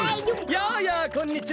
やあやあこんにちは。